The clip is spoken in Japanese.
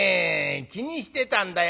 気にしてたんだよ。